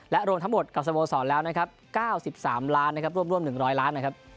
และโรงทั้งหมดกับสโมสรแล้ว๙๓ล้านรวมร่วม๑๐๐ล้าน